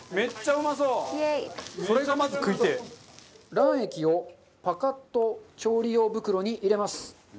卵液をパカッと調理用袋に入れます。